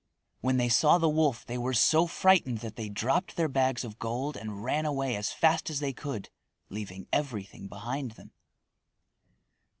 When they saw the wolf they were so frightened that they dropped their bags of gold and ran away as fast as they could, leaving everything behind them.